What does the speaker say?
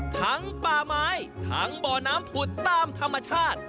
ป่าไม้ทั้งบ่อน้ำผุดตามธรรมชาติ